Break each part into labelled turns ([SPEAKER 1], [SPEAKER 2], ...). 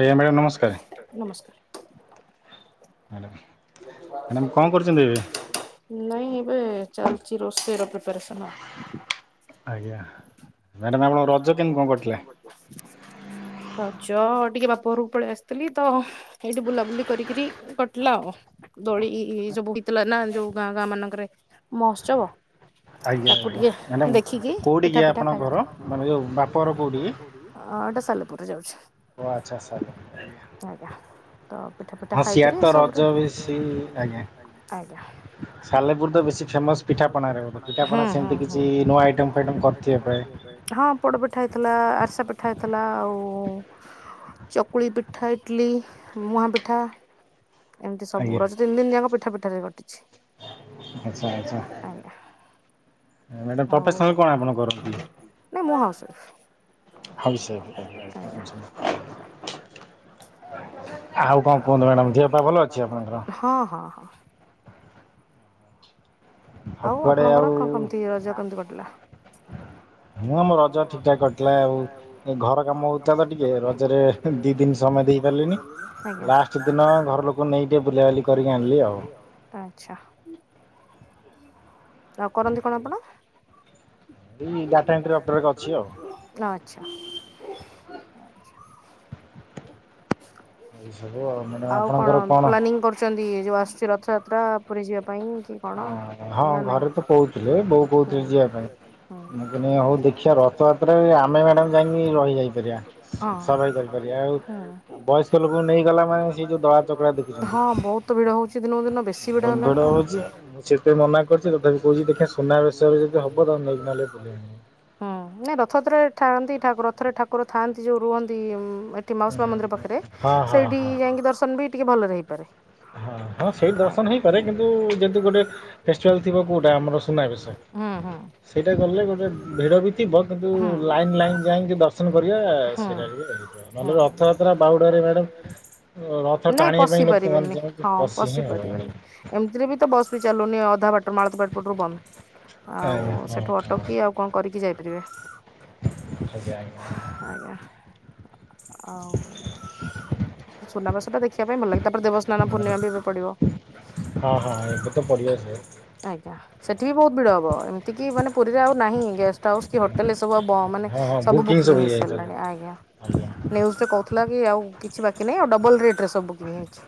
[SPEAKER 1] ଆଜ୍ଞା ମ୍ୟାଡ଼ାମ ନମସ୍କାର। [inaudible]
[SPEAKER 2] ନାଇଁ ଏବେ ଚାଲଚି ରୋଷେଇର ପ୍ରିପେରସନ
[SPEAKER 1] ଆଜ୍ଞା।
[SPEAKER 2] ରଜ ଟିକେ ବାପ ଘରକୁ ପଳେଇ ଆସିଥିଲି ତ ଏଇଠି ବୁଲାବୁଲି କରିକରି କଟିଲା ଆଉ ଦୋଳି ସବୁ ହେଇଥିଲା ନା ଯୋଉ ଗାଁ ଗାଁ ମାନଙ୍କରେ ମହୋତ୍ସବ
[SPEAKER 1] ଆଜ୍ଞା ଆଜ୍ଞା ମାନେ କୋଉଠି କିଏ ଆପଣଙ୍କ ଘର?
[SPEAKER 2] ବାପ ଘର କୋଉଠି କି? ହଁ ସାଲପୁର ସେ - ଆଛା। ଆଜ୍ଞା। ତ ପିଠା ପିଠା ଖାଇକରି ସବୁରେ। ଆଜ୍ଞା। ହୁଁ ହୁଁ ହୁଁ। ହଁ ପୋଡପିଠା ହେଇଥିଲା ଆରସା ପିଠା- ପିଠା ହେଇଥିଲା ଆଉ ଚକୁଳି ପିଠା ଇଟଲି ମୁହାଁ ପିଠା। ଏମତି ସବୁ ରଜ ତିନ ଦିନ ଯାକ ପିଠା ପୀଠାରେ ଗ- କିଛି।
[SPEAKER 1] ଆଛା ଆଛା। ମ୍ୟାଡ଼ାମ ପ୍ରଫେଶନ କଣ ଆପଣଙ୍କର? [unintelligible]
[SPEAKER 2] ଆଉ କଣ କୁହନ୍ତୁ ମ୍ୟାଡ଼ାମ? ଦିହ ପା ଭଲ ଅଛି ଆପଣଙ୍କର? ହଁ ହଁ ହଁ। ଆଉ ଆପଣଙ୍କର କଣ କେମିତି ରଜ କାଟିଲା ଆଜ୍ଞା। ଆଉ କରନ୍ତି କଣ ଆପଣ? ଆଚ୍ଛା। ଆଚ୍ଛା।
[SPEAKER 1] ଏଇ ସବୁ ଆଉ ମାନେ ଆପଣଙ୍କର କଣ?
[SPEAKER 2] ଯୋଉ ଆସୁଛି ରଥଯାତ୍ରା ପୁରୀ ଯିବା ପାଇଁ କି କଣ?
[SPEAKER 1] ହଁ ଘରେ ତ କହୁଥିଲେ ବୋଉ କହୁଥିଲେ ଯିବା ପାଇଁ ମୁଁ କନି ହଉ ଦେଖିବା ରଥଯାତ୍ରାରେ ଆମେ ମ୍ୟାଡ଼ାମ ଯାଇକି ରହିଯାଇପାରିବା ସଫାଇ କରିପାରିବା ଆଉଉ ବୟସ୍କ ଲୋକଙ୍କୁ ନେଇଗଲା ମାନେ ସେ ଯୋଉ ଦଳା ଚକଡ଼ ଦେଖୁଛନ୍ତି। ଭହୁତ ଭିଡ ହଉଛି ମୁଁ ସେତ
[SPEAKER 2] ହଁ ନାଇ ରଥଯାତ୍ରା ରେ ଥାଆନ୍ତି ଠାକୁର। ଥରେ ଠାକୁର ଥାଆନ୍ତି ଯଉ ରୁହନ୍ତି। ଏଠି ମାଉସୀମା ମନ୍ଦିର ପାଖରେ ସେଇଠି ଯାଇକି ଦର୍ଶନ ବି ଟିକେ ଭଲରେ ହେଇପାରେ।
[SPEAKER 1] ହଁ ହଁ ସେଇ ଦର୍ଶନ ହେଇପାରେ କିନ୍ତୁ ଯଦି ଗୋଟେ ଟେଷ୍ ଆକ୍ଚୁଆଲ୍ ଥିବ କେଉଁଟା ଆମର ସୁନାବେଶ ସେଇଟା ଗଲେ ଗୋଟେ ଭିଡ଼ ବି ଥିବ କିନ୍ତୁ ଲାଇନ୍ ଲାଇନ୍ ଯାଇକି ଦର୍ଶନ କରିବା ସେଇଟା ବି ହେଇଯିବ ନହେଲେ ରଥଯାତ୍ରା ବାହୁଡ଼ାରେ ମ୍ୟାଡ଼ାମ୍ ରଥ ଟାଣିବା ପାଇଁ ଲ
[SPEAKER 2] ହଁ ପଶି ପାରିବେନି ଏମିତିରେ ବି ତ ବସ ବି ଚାଲୁନି ଅ। ଦା ବାଟ ମାଳତୀ ବାଡିପଟୁ ବନ୍ଦ। ଆଉ ସେଠୁ ଅଟ କି ଆଉ କଣ କରିକି ଯାଇପାରିବେ। ହବ। ଆଉ ସୁନାବେସଟା ଦେଖିବା ପାଇଁ ଭଲଲାଗେ ତାପରେ ଦେବସ୍ନାନ ପୂର୍ଣ୍ଣିମା ବି ଏବେ ପଡିବ। ଆଜ୍ଞା ସେଠିବି ଭିଡହବ ଏମିତି। ଏତିକି ମାନେ ପୁରୀରେ ଆଉ ନାହିଁ ଗେଷ୍ଟହାଉସ୍ କି ହୋଟେଲ ଏସବୁ ଆଉ ବ ମାନେ ସବୁବୁକିଂ ହେଇସାରିଲାଣି ଆଜ୍ଞା ନିଉଜରେ କହୁଥିଲା କି ଆଉ। କିଛି ବାକିନାହିଁ ଆଉ ଡବଲରେଟ। ଏସବୁ ବୁକିଂ ହେଇଛି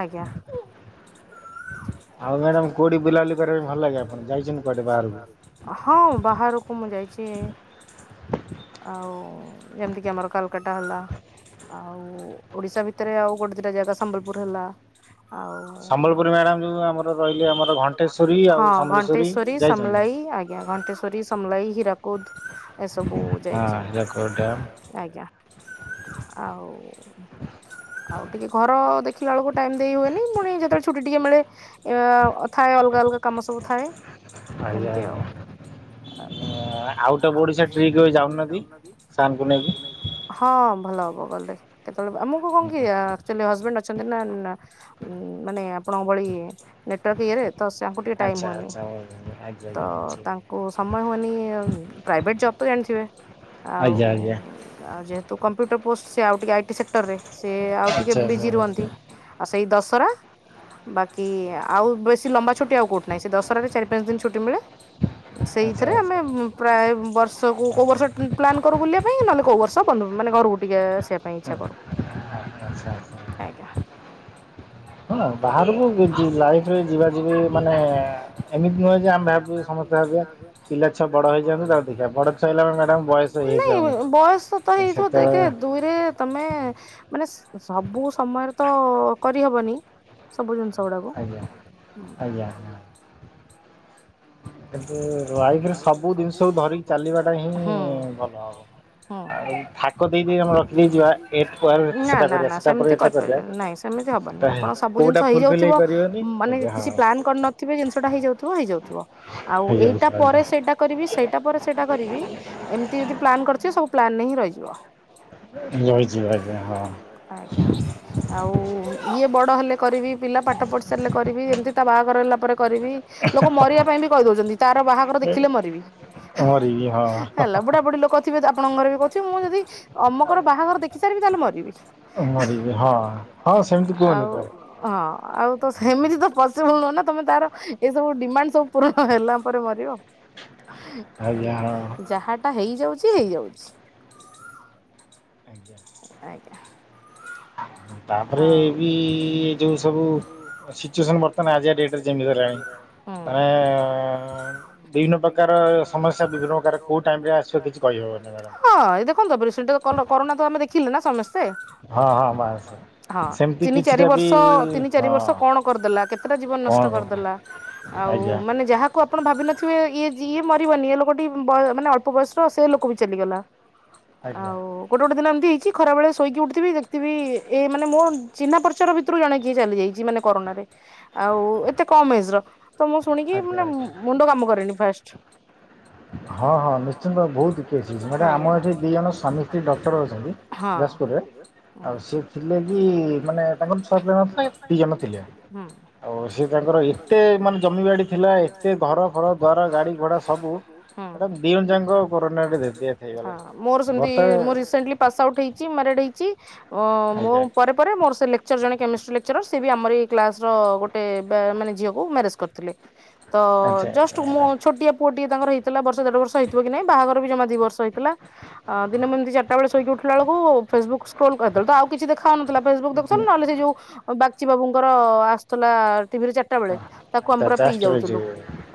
[SPEAKER 2] ଆଜ୍ଞା ଏ। ଆଉ ମ୍ୟାଡାମ କୋଉଠି ବୁଲାବୁଲି କରିବା ପାଇଁ ଭଲଲାଗେ ଆପଣଙ୍କୁ ଯାଇଛନ୍ତି କୁଆଡେ ବାହାରକୁ ହଁ ବାହାରକୁ ମୁଁ ଯାଇଛି ଆଉ ଯେମିତିକି ଆମର କାଲକାଟା। ହେଲା ଆଉ ଓଡ଼ିଶାଭିତରେ ଆଉ ଗୋଟେ ଦିଇଟା ଜାଗା ସମ୍ବଲପୁର ହେଲା ଆଉ। ଆଉ ସମ୍ବଲପୁରୁ ମ୍ୟାଡ଼ାମ ଆମର ରହିଲେ ଆମର ଘଣ୍ଟେଶ୍ୱରୀ ହଁ ଘଣ୍ଟେଶ୍ୱରୀ ସମଲାଇ ଆଜ୍ଞା ଘଣ୍ଟେଶ୍ଵରୀ ସମଲାଇ ହୀରା। କୁଦୁ ଏସବୁ ଯାଇଛି ହଁ ଆଜ୍ଞା ଆଉ ଆଉଟିକେ ଘର ଦେଖ। ଉଠିଲାବେଳକୁ ଟାଇମି ଦେଇହୁଏନି ପୁଣି ଯେତେବେଳେ। ଛୁଟିଟିକେ ମିଳେ ଅ ଥାଏ ଅଲଗା ଅଲଗା କାମସବୁ ଥାଏ। ଏମତି ଆଉ ହଁ ଭଲ। ଗୋଗଲରେ କେତେ ଆମକୁ କଣକି ଆକ୍ୟୁଆଲି ହଜବେଣ୍ଟ ଅଛନ୍ତିନା ଉଁ ନା ମାନେ ଆପଣଙ୍କଭଳି ନେଟୱାର୍କ ଇଏରେ ତ ସେ ତାଙ୍କୁ ଟିକେ ଟାଇମ୍ ହୁଏନି ତ ତାଙ୍କୁ ସମୟ ହୁଏନି ପ୍ରାଇଭେଟ୍ ଜବ୍ ଜାଣିଥିବେ ଆଉ ଆଉ ଯେହେତୁ କମ୍ପ୍ୟୁଟର ପୋଷ୍ଟ ଆଉଟିକି ଆଇଟି ତାପରେ ସେ ଆଉଟିକେ ବିଜି ରୁହନ୍ତି ଆଉ ସେଇ ଦଶ। କର। ବାକି ଆଉ ବେଶୀଲମ୍ବା ଛୁଟି ଆଉ କୋଉଠି ନାହିଁ ସେ ଦଶରାରେ ଚାରି ପାଞ୍ଚଦିନ ଛୁଟି ମିଳେ। ସେଇଥିରେ ଆମେ ପ୍ରାୟ ବର୍ଷକୁ କୋଉବର୍ଷ ଟ୍ରୀପ ପ୍ଲାନକରୁ ବୁଲିବାପାଇଁ ନହେଲେ। କୋଉବର୍ଷ ମାନେ ଘରକୁଟିକେ ଆସିବାପାଇଁ ଇଚ୍ଛା କରୁ।
[SPEAKER 1] ଆଛା ଆଛା।
[SPEAKER 2] ନାଇଁ ବୟସ ତ ହେଇଯିବ ଏକରେ ଦୁଇରେ ତମେ ମାନେ ସବୁ ସମୟରେ ତ କରିହବନି। ସବୁ ଜିନିଷ। ତଡାକୁ। ହୁଁ ହୁଁ ନା ନା ନା ସେମିତି କରିପାରିବେନି, ନାଇଁ ସେମତି ହବନି ଆପଣ ସବୁ ଜିନିଷ ହେଇଯାଉଥିବ ମାନେ କିଛି ପ୍ଳାନ କରିନଥିବେ ଜିନିଷ ଟା ହେଇ ଯାଉଥିବ ହେଇଯାଉଥିବ। ଆଉ ଏଇଟା ପରେ ସେଇଟା କରିବି ସେଇଟା ପରେ ସେଇଟା କରିବି ଏମିତି ଯଦି ପ୍ଲାନ୍ କରିଛେ ସବୁ ପ୍ଲାନ୍ ରେ ହିଁ ରହିଯିବ।
[SPEAKER 1] ହୁଁ।
[SPEAKER 2] ଆଜ୍ଞା ଆଉ ଇଏ ବଡ ହେଲେ କରିବି, ପିଲା ପାଠ ପଢି ସାରିଲେ କରିବି, ଏମିତି ତା ବାହାଘର ହେଲା ପରେ କରିବି। ଲୋକ ମରିବା ପାଇଁ ବି କହିଦଉଛନ୍ତି, ତାର ବାହାଘର ଦେଖିଲେ ମରିବି ହେଲା ବୁଢାବୁଢ଼ି ଲୋକ ଥିବେ ତ ଆପଣଙ୍କର ବି ମୁଁ ଯଦି ଅମକର ବାହାଘର ଦେଖି ଦେଖି ସାରିବି ତାହେଲେ ମିରିବି। ଆଉ ହଁ ଆଉ ତ ସେମିତି ତ ପଶିିବୁଲ୍ ନୁହଁ ନା। ତମେ ତାର ଏ ସବୁ ଡିମାଣ୍ଡ ସବୁ ପୂରଣ ହେଲା ପରେ ମରିବ। ହେଲା ଯାହା ଟା ହେଇଯାଉଛି ହେଇଯାଉଛି। ଆଜ୍ଞା।
[SPEAKER 1] ତାପରେ ଏ ବି ଏ ଯୋଉ ସବୁ ସିଚୁଏସନ ବର୍ତ୍ତମାନ ଆଜିକା ଡେଟ ରେ ଯେମିତି ହେଲାଣି, ମାନେ ବିଭିନ୍ନ ପ୍ରକାର ସମସ୍ୟା ବିଭିନ୍ନ ପ୍ରକାର କୋଉ ଟାଇମ ରେ ଆସିବ କିଛି କହିହବନି ମ୍ୟାଡ଼ାମ।
[SPEAKER 2] ଥିଲା ନା ସମସ୍ତେ।
[SPEAKER 1] ହଁ ହଁ ମାସ
[SPEAKER 2] ହଁ ତିନି ଚାରି ବର୍ଷ ତିନି ଚାରି ବର୍ଷ କଣ କରିଦେଲା, କେତେଟା ଜୀବନ ନଷ୍ଟ କରିଦେଲା, ଆଉ ମାନେ ଯାହାକୁ ଆପଣ ଭାବିନଥିବେ ଇଏ ଇଏ ମରିବନି ଏ ଲୋକଟି ବ ମାନେ ଅଳ୍ପ ବୟସର ସେ ଲୋକ ବି ଚାଲିଗଲା। ଆଉ ଗୋଟେ ଗୋଟେ ଦିନ ଏମ୍ ହେଇଛି ଖରାବେଳେ ଶୋଇକି ଉଠଥିବି ଦେଖିଥିବି ଏ ମାନେ ମୋ ଚିହ୍ନା ପ୍ରରିଚ୍ ଭିତରୁ ଜଣେ କିଏ ଚାଲି ଯାଇଛି ମାନେ କରୋନାରେ। ଆଉ ଏତେ କମ ଏଜ ର, ତ ମୁଁ ଶୁଣିକି ମାନେ ମୁଣ୍ଡ କାମ କରେନି ଫାଷ୍ଟ। ଆଜ୍ଞା, ହଁ।
[SPEAKER 1] ଥିଲେ କି ମାନେ ତାଙ୍କର ଛୁଆ ପିଲା ନଥିଲା, ଦୁଇ ଜଣ ଥିଲେ ଆଉ ସେ ତାଙ୍କର ଏତେ ମାନେ ଜମିବାଡ଼ି ଥିଲା ଏତେ ଘର ଫର ଦ୍ୱାର ଗାଡ଼ି ଘୋଡ଼ା ସବୁ
[SPEAKER 2] ମୋର ସେମତିି, ମୁଁ ରିସେଣ୍ଟଲି ପାସ ଆଉଟ୍ ହେଇଚି, ମ୍ୟାରେଡ ହେଇଚି। ମୋ ପରେ ପରେ ମୋର ସେ ଲେକ୍ଚର ଜଣେ କେମେଷ୍ଟ୍ରି ଲେକଚର ସେ ବି ଆମରି କ୍ଲାସ ର ଗୋଟେ ମାନେ ଝିଅକୁ ମ୍ୟାରେଜ କରିଥିଲେ ତ ଜଷ୍ଟ ମୋ ଛୋଟିଆ ପୁଅଟିଏ ତାର ହେଇଥିଲା ବର୍ଷ ଦେଢ ବର୍ଷ ହେଇଥିବ କି ନାହିଁ ବାହାଘର ବି ଜମା ଦି ବର୍ଷ ହେଇଥିଲା ଦିନ ମୁ ଏମିତି ଚାରଟାବେ ଶୋଇକି ଉଠିଲା ବଳକୁ ଫେସବୁକ୍। [unintelligible] କିଛି ଦେଖାଉନଥିଲା ଫେସବୁକ୍ ଦେଖୁଥିଲୁ ନହଲେ ସେ ଯଉ ବା ଆଚି ବାବୁଙ୍କର ଆସୁଥିଲା ଟିଭିରେ ଚାରିଟା ବେଳେ ତାକୁ ଆମେ ପୁରା ପିଇ ଯାଉଥିଲୁ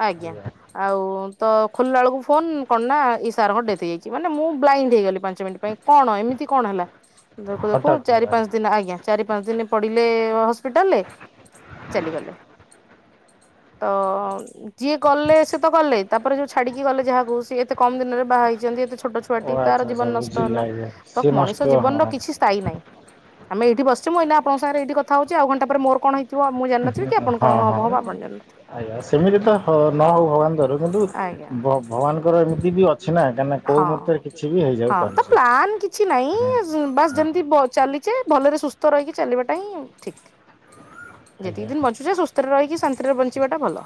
[SPEAKER 2] ଆଜ୍ଞା। ଆଉ ତ ଖୋଲିଲା ବେଳକୁ ଫୋନ କଣ ନା ଏଇ ସାର୍ଙ୍କ ଡେଥ ହେଇଯାଇଛି ମାନେ ମୁଁ ବ୍ଲାଇଣ୍ଡ ହେଇଗଲି ପାଞ୍ଚ ମିନିଟ୍ ପାଇଁ କଣ ଏମିତି କଣ ହେଲା? ଦେଖୁ ଦେଖୁ ଚାରି ପାଞ୍ଚ ଦିନ ଆଜ୍ଞା ଚାରି ପାଞ୍ଚ ଦିନ ପଡିଲେ। ଏ ହସ୍ପିଟାଲରେ ଚାଲିଗଲେ ତୋ ଯିଏ ଗଲେ ଶେତ ଗଲେ ତାପରେ ସେ ଯୁ ଛାଡିକି ଗଲେ ଯାହାକୁ ଶିଏତ କମ ଦିନରେ ବାହା ହେଇଛନ୍ତି ଏତେ ଛୋଟ ଛୁଆଟି ତାର ଜୀବନ ନଷ୍ଟ ହେଲା ତ ମଣିଷ ଜୀବନର କିଛି ସ୍ଥାୟୀ ନାହିଁ। ଆମେ ଏଇଠେ ବସିଛେ ମୁଁ ଏଇନା ଆପଣଙ୍କ ସାଙ୍ଗରେ ଏଇଠି କଥା ହଉଛି ଆଉ ଘଣ୍ଟାପରେ ମୋର କଣ ହେଇଯିବ। ମୁଁ ଜାଣିନଥିବି କି ଆପଣ କଣ ହବ ହବ ଆପଣ ଜନିନଥିବେ ହଁ ଆଜ୍ଞା ହଁତୋ ପ୍ଲାନ କିଛିନାଇ ବାସ୍ ଯେମିତି। ଚାଲିଛେ ଭଲରେ ସୁସ୍ଥ ରହିକି ଚାଲିବାଟା ହିଁ ଠିକ। ଯେତିକି ଦିନ ବଞ୍ଚୁଛେ ସୁସ୍ଥରେ ରହିକି ଶାନ୍ତିରେ ବଞ୍ଚିବା ଟା ଭଲ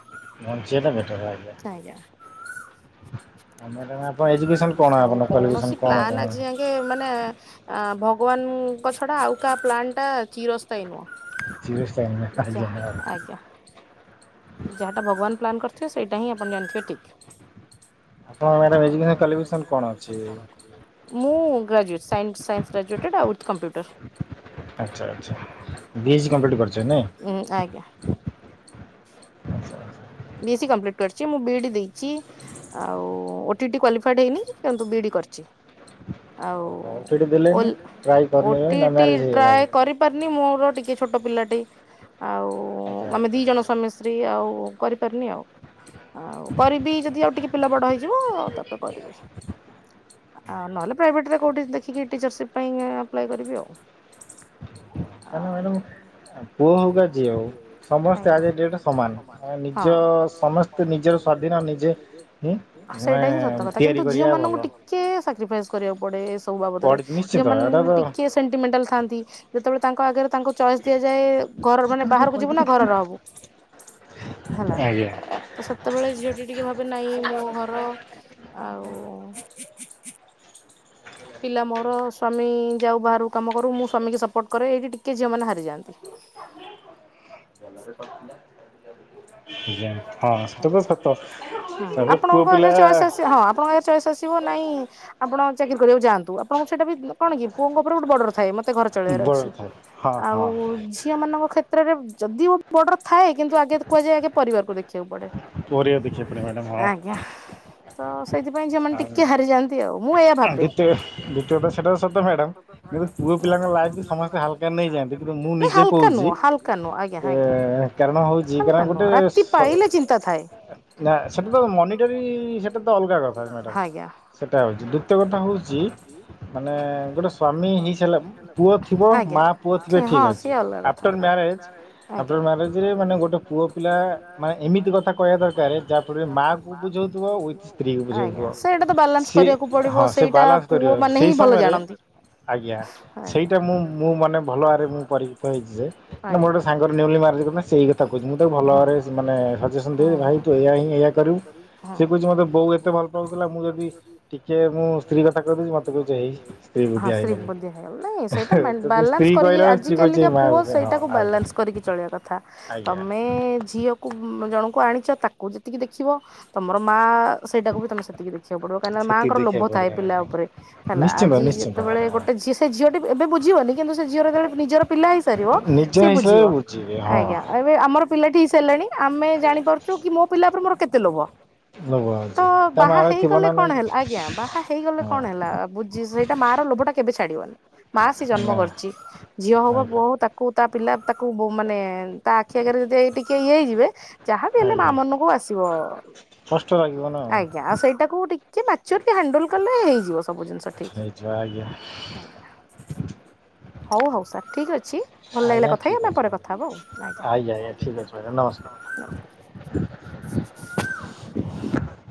[SPEAKER 2] ଆଜ୍ଞା। ଆଉ କୌଣସି ପ୍ଲାନ ଆଜି ଆଗେ ମାନେ ଭଗବାନ। ତାଛଡା ଆଉ କାହା ପ୍ଲାନ ଟା ଚିରସ୍ଥାୟ ନୁହଁ।
[SPEAKER 1] ଚିରସ୍ଥାୟୀ ନୁହଁ କାର୍ଯ୍ୟକଳାପ।
[SPEAKER 2] ଯାହାତୋ ଭଗବାନ- ପ୍ଲାନ୍ କରିଥିବେ ସେଇଟା ହିଁ ଆପଣ ଜାଣିଥିବେ ଠିକ୍। ମୁଁ ଗ୍ରାଯୁଏଟେଡ୍ ସାଇନ୍ସ ଗ୍ରାଜୁଏଟେଡ ଆଉ ୱିଥ କମ୍ପୁଟର ଆଜ୍ଞା। ବି ଏସ୍ ସି କମ୍ପ୍ଲିଟ୍ କରିଛି ମୁଁ ବିଇଡି ଦେଇଛି ଆଉ ଓଟିଇଟି କ୍ଵାଲିଫାଇଡ୍ ହେଇନି କିନ୍ତୁ ବିଇଡ଼ି କରିଛି। ଆଉ ଓଟିଇଟି ଟ୍ରାଏ କରିପାରିନି ମୋର ଟିକେ ଛୋଟ ପିଲାଟି ଆଉ ଆମେ ଦି ଜଣ ସ୍ୱାମୀ ସ୍ତ୍ରୀ ଆଉ ଆଉ ଆଉ କରିବି ଯଦି ଆଉ ଟିକେ ପିଲା ବଡ ହେଇଯିବ ଆଉ ତାପରେ କରିବି। ଆଉ ନହେଲେ ପ୍ରାଇଭେଟରେ କୋଉଠି ଦେଖିକି ଟିଚରସିପ୍ ପାଇଁ ଆପ୍ଲାଏ କରିବି ଆଉ। ଆ। ସେଇଟା ହିଁ ସତ କଥା କିନ୍ତୁ ଝିଅ ମାନଙ୍କୁ ଟିକେ। ସାକ୍ରିଫାଇସ୍ କରିବାକୁ ପଡେ। ସବୁ ବାବଦରେ ଝିଅମାନୋନ ଟିକେ ସେଣ୍ଟିମେଣ୍ଟାଲ ଥାନ୍ତି ଯେତେବେଳେ ତାଙ୍କ ଆଗରେ ତାଙ୍କୁ ଚଏସ୍ ଦିଆଯାଏ ଘର ମାନେ ବାହାରକୁ ଯିବୁ ନା ଘରର ହବୁ। ହେଲା ତ ସେତେବେଳେ ଝିଅଟି ଟିକେ ଭାବେ ନହିଁ ମୋ ଘର ଆଉ। ପିଲା ମୋର ସ୍ଵାମୀ ଯାଉ ବାହାରୁ କାମ କରୁ ମୁଁ ସ୍ଵାମୀ କ ସପୋର୍ଟ କରେ ଏଇଠି ଟିକେ ଝିଅ ମାନେ ହାରିଯାଆନ୍ତି।
[SPEAKER 1] ଆଜ୍ଞା।
[SPEAKER 2] ହଁ ଆପଣଙ୍କ ଆଗରେ ଚଏସ୍ ଆସିବ ହଁ ଆପଣଙ୍କ ଆଗରେ ଚଏସ୍ ଆସିବ ନାଇଁ। ଆପଣ ଚାକିରି କରିବାକୁ ଚାଆନ୍ତି। ଆପଣଙ୍କୁ ସେଇଟା ବି କଣ କି ପୁଅଙ୍କ ଉପରେ ଗୋଟେ ବଡ଼ର ଥାଏ। ମତେ ଘର ଚଳେଇବାର ଅଛି ଆଉ ଝିଅ ମାନଙ୍କ କ୍ଷେତ କ୍ଷେତ୍ରରେ ଯଦି ଓ ବଡର ଥାଏ କିନ୍ତୁ ଆଗେ କୁହାଯାଏ ଆଗେ ପରିବାରକୁ ଦେଖେ ଦେଖିବାକୁ ପଡେ ଆଜ୍ଞା। [inaudible] ସେଥିପାଇଁ ଝିଅମାନେ ଟିକେ ହାରିଯାନ୍ତି ଆଉ ମୁଁ ଏଇଆ ଭାବେ [unintelligible] ହାଲକା ନୁହଁ ହାଲକା ନୁହଁ ଆଜ୍ଞା ଆଜ୍ଞା ହାଲକା ନୁହଁ ରାତି
[SPEAKER 1] ନା ସେଟା ତ ମନିଟରୀ ସେଟା ତ ଅଲଗା କଥା।
[SPEAKER 2] ହଁ ଆଜ୍ଞା ସେ ଅଲଗା କଥା ଆଜ୍ଞା ଆଜ୍ଞା। ଏମତି କଥା କହିବା ଦରକାର ଯାହା ଫଳରେ ମା କୁ ବୁଝାଉଥିବ [unintelligible] ଆଜ୍ଞା।
[SPEAKER 1] ସେ ହଁ ସେ ବାଲାନ୍ସ କରିବ ସେଇ ସମୟରେ ଆଜ୍ଞା ସେଇଟା ମୁଁ ମୁଁ ମାନେ ଭଲ ଭାବରେ ମୁଁ ପରିଚିତ ହେଇଛି ଯେ ମୋର ଗୋଟେ ସାଙ୍ଗର ନିୟୁଲି ମ୍ୟାରେଜକୁ ସେଇ କଥା କହୁଛି ମୁଁ ତାକୁ ଭଲ ଭାବରେ ମାନେ ସଜେସନ୍ ଦେ ଭାଇ ତୁ ଏଇ ହିଁ ଏଇଆ କରିବୁ ସେ କୁଛି ମୋତେ ବୋଉ ଏତେ ଭଲ
[SPEAKER 2] ହଁ ସ୍ତ୍ରୀ ବୁଦ୍ଧିଆ ହେଇଗଲୁ ନାଇଁ ସେଇଟା ଵାଲାନ୍ସ କରିକି ଆଜି କାଲିକା ପୁଅ ସେଇଟାକୁ ବାଲାନ୍ସ କରିକି ଚଳିବା କଥା ତମେ ଝିଅ। ଜଣଙ୍କୁ ଆଣିଛ ତାକୁ ଯେତିକି ଦେଖିବ ତମର ମା ସେଇଟାକୁ ବି ତମେ ସେତିକି ଦେଖିବାକୁ ପଡିବ କାହିଁକି ନା ମାଙ୍କର ଲୋଭ ଥାଏ ସେଇଟାକୁ ବି ତୁମେ ସେତିକି ଦେଖିବାକୁ ପଡିବ କାଇଁକି ନା ମାଙ୍କର ଲୋଭ ଥାଏ ପିଲା ଉପରେ ହେଲା ଆଜି ଯେତେବେଳେ ଗୋଟେ ଝିଅ ସେ ଝିଅଟି ଏବେ ବୁଝିବନି କିନ୍ତୁ ସେ ଝିଅର ଯେତେବେଳେ ନିଜର ପିଲା ହେଇସାରିବ ସିଏ ବୁଝିବ ଆଜ୍ଞା ଏବେ ଆମର ପିଲାଟି ହେଇସାରିଲାଣି ଆମେ ଜାଣିପାରୁଛୁ କି ମୋ ପିଲା ଉପରେ ମୋର କେତେ ଲୋଭ ତ ବାହା ହେଇଗଲେ କଣ ହେଲା ଆଜ୍ଞା ବାହା ହେଇଗଲେ କଣ ହେଲା ବୁଝି ସେଇଟା ମା ର ଲୋଭଟା କେବେ ଛାଡିବନି ମା ସେ ଜନ୍ମ କରିଛି ଝିଅ ହଉ ବା ପୁଅ ହଉ ତାକୁ ତା ପିଲା ତାକୁ ମାନେ ତା ଆଖି ଆଗରେ ଯଦି ଏ ଟିକେ ଇଏ ହେଇଯିବେ। [inaudible] ଯାହା ବି ହେଲେ ମା ମନକୁ ଆସିବ ଆଜ୍ଞା ଆଉ ସେଇଟାକୁ ଟିକେ ଯେ ମ୍ୟାଚର ହ୍ୟାଣ୍ଡଲ କଲେ ହେଇଯିବ ସବୁ ଜିନିଷ ଠିକ ଆଜ୍ଞା ହଉ ହଉ ସାର୍ ଠିକ ଅଛି ଭଲ ଲାଗିଲା କଥା ହେଇ ଆମେ ପରେ କଥା ହଵା ଆଉ। ନମସ୍କାର।